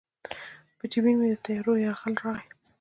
په جبین مې د تیارو یرغل راغلی